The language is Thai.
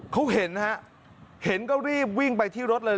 เขาเห็นนะฮะเห็นก็รีบวิ่งไปที่รถเลย